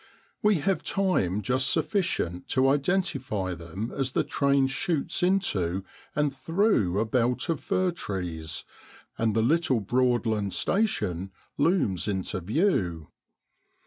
We have time just sufficient to identify them as the train shoots into and through a belt of fir trees, and the little Broadland station looms into view.